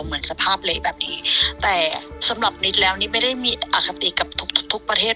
เหมือนสภาพเละแบบนี้แต่สำหรับนิดแล้วนิดไม่ได้มีอคติกับทุกทุกประเทศ